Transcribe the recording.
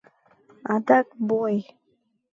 Адак бой!..